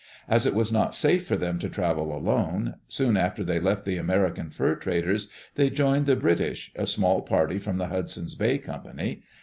As it was not safe for them to travel alone, soon after they left the American fur traders they joined the British, a small party from the Hudson's Bay Company.